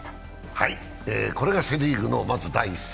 これがセ・リーグのまず第１戦。